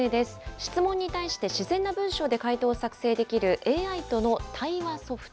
質問に対して自然な文章で回答を作成できる、ＡＩとの対話ソフト。